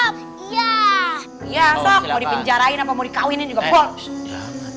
mau dipenjarain atau mau dikawinin